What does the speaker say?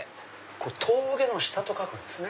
峠の下と書くんですね。